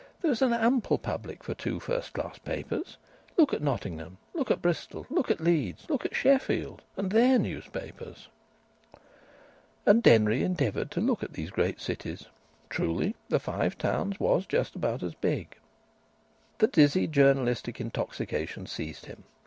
there is an ample public for two first class papers. Look at Nottingham! Look at Bristol! Look at Leeds! Look at Sheffield!... and their newspapers." And Denry endeavoured to look at these great cities! Truly the Five Towns was just about as big. The dizzy journalistic intoxication seized him.